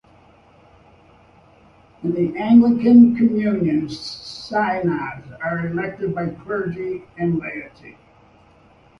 In the Anglican Communion, synods are elected by clergy and laity.